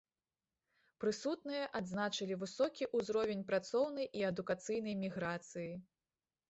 Прысутныя адзначылі высокі ўзровень працоўнай і адукацыйнай міграцыі.